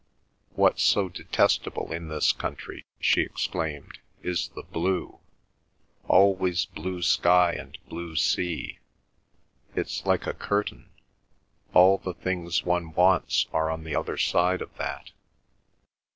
"What's so detestable in this country," she exclaimed, "is the blue—always blue sky and blue sea. It's like a curtain—all the things one wants are on the other side of that.